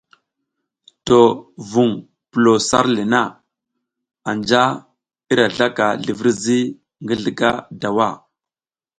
To vuŋ pulo sar le na anja i ra zlaka zlivirzi ngi zlǝga dawa.